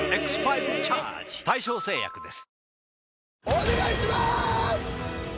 お願いしまーす！